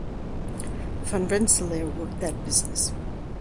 Van Rensselaer worked that business.